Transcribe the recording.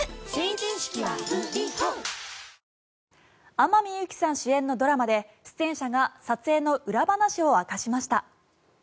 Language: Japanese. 天海祐希さん主演のドラマで出演者が撮影の裏話を明かしました。